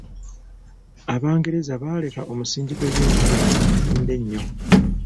Abangereza baaleka omusingi gw'ebyefuna omufunda ennyo